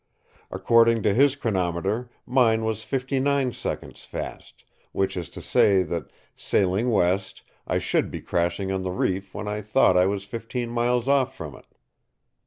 According to his chronometer mine was fifty nine seconds fast, which is to say, that, sailing west, I should be crashing on the reef when I thought I was fifteen miles off from it.